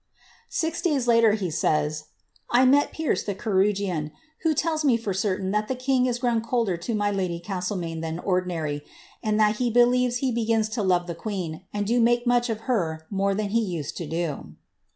'' Six days later he says, ^ I net » Pierce, the chirurgeon, who tells me for certain that the king is growl ^ colder to my lady Gastlemaine than ordinary, and that he believes hi « begins to love the queen, and do make much of her more than be med i; to do."